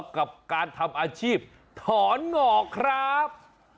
กับการทำอาชีพถอนหงอกครับ